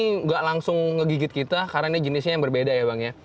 ini nggak langsung ngegigit kita karena ini jenisnya yang berbeda ya bang ya